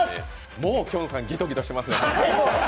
もう、きょんさんギトギトしてますね。